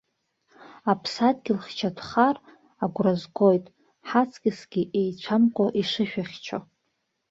Аԥсадгьыл хьчатәхар, агәра згоит, ҳаҵкысгьы еицәамкәа ишышәыхьчо.